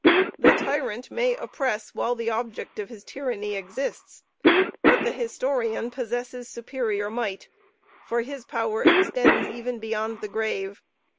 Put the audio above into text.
The tyrant may oppress while the object of his tyranny exists; but the historian possesses superior might, for his power extends even beyond the grave.